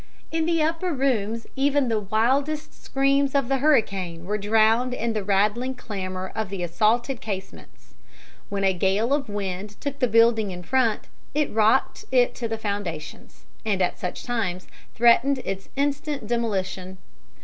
"In the upper rooms even the wildest screams of the hurricane were drowned in the rattling clamour of the assaulted casements. When a gale of wind took the building in front, it rocked it to the foundations, and, at such times, threatened its instant demolition.